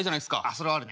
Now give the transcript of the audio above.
それはあるね。